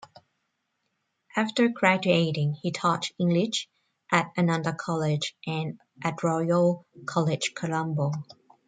After graduating he taught English at Ananda College and at Royal College, Colombo.